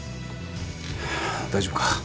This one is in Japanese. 大丈夫か？